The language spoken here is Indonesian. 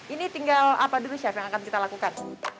ini tinggal apa dulu chef yang akan kita lakukan